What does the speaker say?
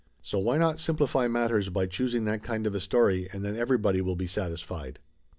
So why not simplify matters by choosing that kind of a story, and then everybody will be satisfied